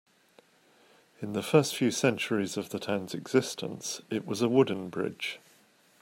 In the first few centuries of the town's existence, it was a wooden bridge.